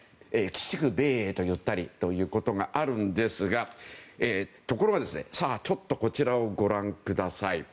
鬼畜米英といったりということがあるんですがところが、ちょっとこちらをご覧ください。